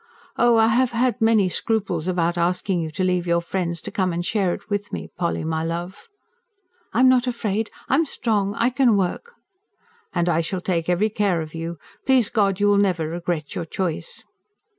Oh, I have had many scruples about asking you to leave your friends to come and share it with me, Polly my love!" "I'm not afraid. I am strong. I can work." "And I shall take every care of you. Please God, you will never regret your choice."